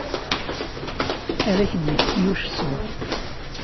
Ad ak-d-yefk Yuc ṣṣber.